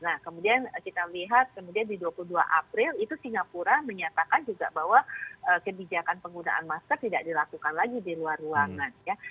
nah kemudian kita lihat kemudian di dua puluh dua april itu singapura menyatakan juga bahwa kebijakan penggunaan masker tidak dilakukan lagi di luar ruangan ya